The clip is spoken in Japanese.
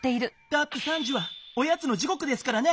だって３時はおやつの時こくですからね。